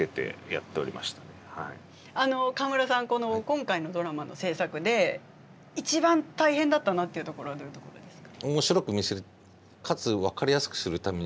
今回のドラマの制作で一番大変だったなっていうところはどういうところですか？